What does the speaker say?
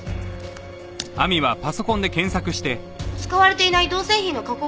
使われていない銅製品の加工